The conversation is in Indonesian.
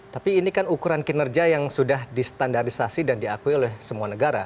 tapi ini kan ukuran kinerja yang sudah distandarisasi dan diakui oleh semua negara